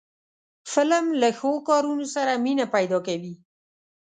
فلم له ښو کارونو سره مینه پیدا کوي